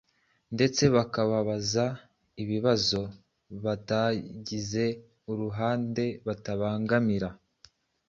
ndetse bakaba babaza n’ibibazo, batagize uruhande babangamira.